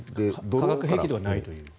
化学兵器ではないと。